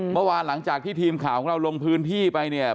เมื่อวานหลังจากที่ทีมข่าวของเราลงพื้นที่ไปเนี่ย